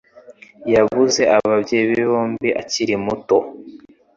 Yabuze ababyeyi be bombi akiri muto.